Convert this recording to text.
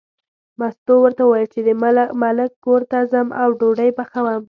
مستو ورته وویل چې د ملک کور ته ځم او ډوډۍ پخوم.